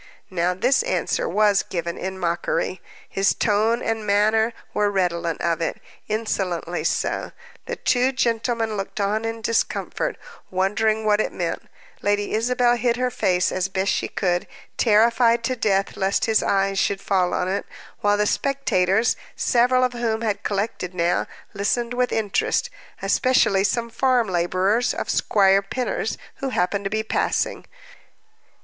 Now this answer was given in mockery; his tone and manner were redolent of it, insolently so. The two gentlemen looked on in discomfort, wondering what it meant; Lady Isabel hid her face as best she could, terrified to death lest his eyes should fall on it: while the spectators, several of whom had collected now, listened with interest, especially some farm laborers of Squire Pinner's who had happened to be passing.